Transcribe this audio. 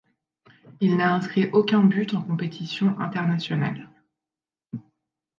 Il n'a inscrit aucun but en compétition internationale.